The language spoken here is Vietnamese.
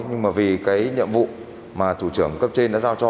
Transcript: nhưng mà vì cái nhiệm vụ mà thủ trưởng cấp trên đã giao cho